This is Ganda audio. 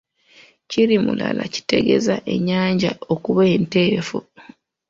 Kiri mulaala kitegeeza ennyanja okuba enteefu.